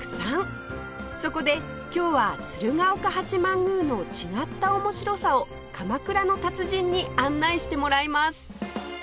そこで今日は鶴岡八幡宮の違った面白さを鎌倉の達人に案内してもらいます